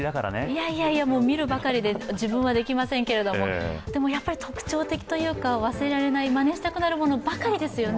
いやいやいや、見るばかりで自分はできませんけども、特徴的というか、忘れられない、まねしたくなるものばかりですよね。